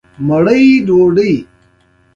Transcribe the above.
پښتو باید د پښتنو ژبه وي.